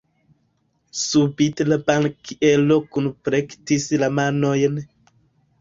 Subite la bankiero kunplektis la manojn.